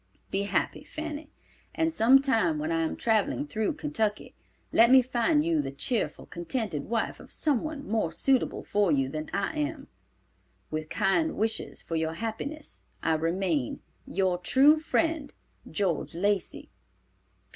Be happy, Fanny, and some time when I am traveling through Kentucky, let me find you the cheerful, contented wife of some one more suitable for you than I am. With kind wishes for your happiness, I remain, "Your true friend, "GEORGE LACEY."